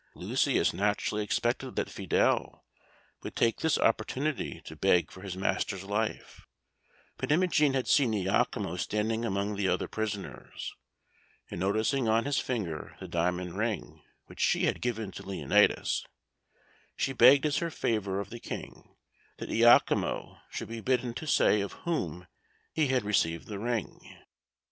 Lucius naturally expected that Fidele would take this opportunity to beg for his master's life, but Imogen had seen Iachimo standing among the other prisoners, and noticing on his finger the diamond ring which she had given to Leonatus, she begged as her favour of the King that Iachimo should be bidden to say of whom he had received the ring.